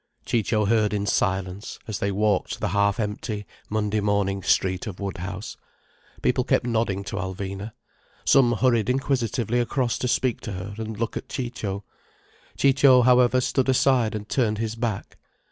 Ciccio heard in silence, as they walked the half empty, Monday morning street of Woodhouse. People kept nodding to Alvina. Some hurried inquisitively across to speak to her and look at Ciccio. Ciccio however stood aside and turned his back.